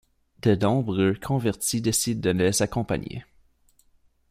De nombreux convertis décident de les accompagner.